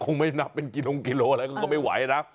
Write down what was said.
ไม่นับเป็นกิโลกิโลอะไรก็ไม่ไหวนะ